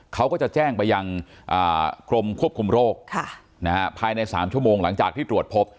เขาก็จะแจ้งไปยังกรมควบคุมโรคภายใน๓ชั่วโมงหลังจากที่ตรวจพบ